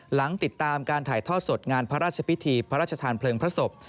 ติดตามการถ่ายทอดสดงานพระราชพิธีพระราชทานเพลิงพระศพ